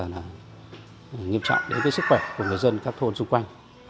nhiều nhiệm trọng đến với sức khỏe của người dân các thôn xung quanh